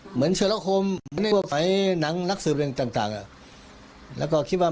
หรือไม่เลยว่า